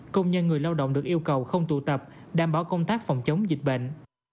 công nhân người lao động được yêu cầu không tụ tập đảm bảo công tác phòng chống dịch bệnh